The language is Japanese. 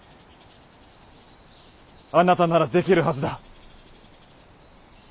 あなたならできるはずだ！